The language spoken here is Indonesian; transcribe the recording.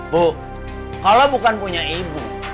bu kalau bukan punya ibu